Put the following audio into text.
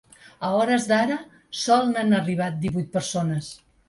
A hores d’ara sol n’han arribat divuit persones.